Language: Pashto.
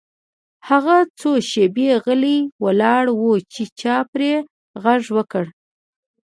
هغه څو شیبې غلی ولاړ و چې چا پرې غږ وکړ